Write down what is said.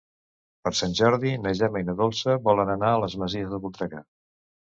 Per Sant Jordi na Gemma i na Dolça volen anar a les Masies de Voltregà.